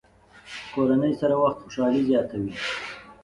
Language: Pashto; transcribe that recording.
کورنۍ سره وخت خوشحالي زیاتوي.